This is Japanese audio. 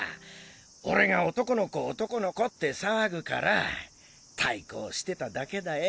俺が男の子男の子って騒ぐから対抗してただけだよ。